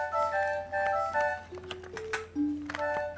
ke hadapan tuh